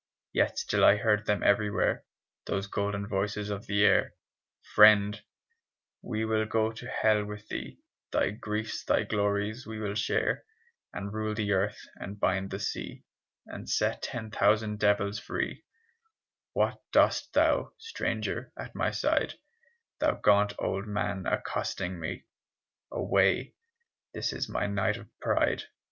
Yet still I heard them everywhere, Those golden voices of the air: "Friend, we will go to hell with thee, Thy griefs, thy glories we will share, And rule the earth, and bind the sea, And set ten thousand devils free; " "What dost thou, stranger, at my side, Thou gaunt old man accosting me? Away, this is my night of pride!